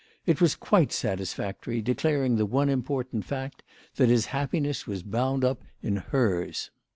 It was quite satisfactory, declaring the one important fact that his happiness was bound up in hers.